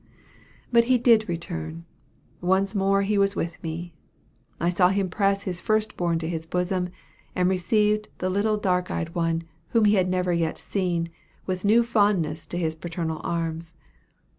"But he did return. Once more he was with me. I saw him press his first born to his bosom, and receive the little dark eyed one, whom he had never yet seen, with new fondness to his paternal arms.